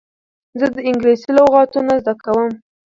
زه د انګلېسي لغتونه زده کوم.